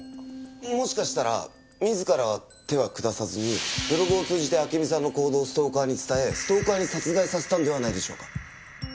もしかしたら自らは手は下さずにブログを通じて暁美さんの行動をストーカーに伝えストーカーに殺害させたのではないでしょうか？